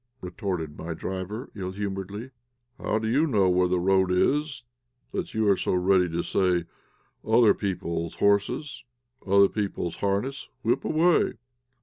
retorted my driver, ill humouredly. "How do you know where the road is that you are so ready to say, 'Other people's horses, other people's harness whip away!'"